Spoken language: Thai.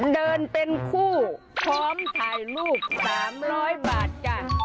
เดินเป็นคู่พร้อมถ่ายรูป๓๐๐บาทจ้ะ